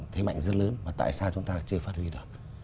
thế mạnh rất lớn mà tại sao chúng ta chưa phát huy được